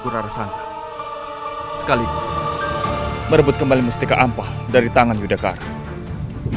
kurara santai sekaligus merebut kembali mustika ampah dari tangan yudhakaara